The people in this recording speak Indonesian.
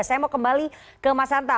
saya mau kembali ke mas santa